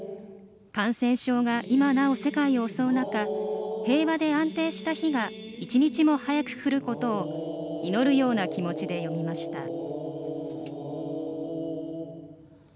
感染症が今なお世界を襲う中平和で安定した日が一日も早く来ることを祈るような気持ちで詠みました。